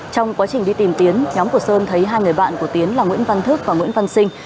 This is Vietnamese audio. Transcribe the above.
trong quá trình đi tìm tiến nhóm của sơn thấy hai người bạn của tiến là nguyễn văn thức và nguyễn văn sinh